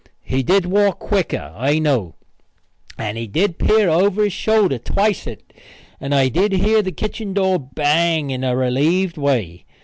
He did walk quicker, I know, and he did peer over his shoulder twicet and I did hear the kitchen door bang in a relieved way.